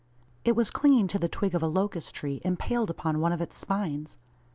It was clinging to the twig of a locust tree, impaled upon one of its spines!